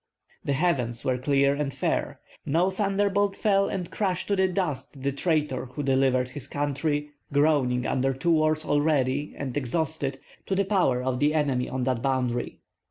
The heavens were clear and fair; no thunderbolt fell and crashed to the dust the traitor who delivered his country, groaning under two wars already and exhausted, to the power of the enemy on that boundary.